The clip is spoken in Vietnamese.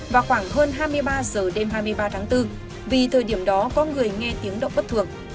vào khoảng hơn hai mươi ba giờ đêm hai mươi ba tháng bốn vì thời điểm đó có người nghe tiếng động bất thường